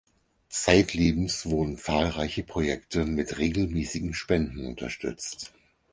Zeitlebens wurden zahlreiche Projekte mit regelmäßigen Spenden unterstützt.